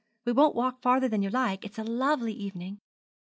We won't walk further than you like; it's a lovely evening.'